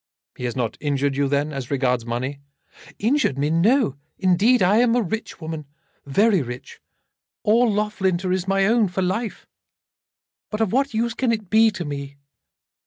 "He has not injured you, then, as regards money." "Injured me! No, indeed. I am a rich woman, very rich. All Loughlinter is my own, for life. But of what use can it be to me?"